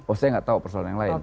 oh saya gak tau persoalan yang lain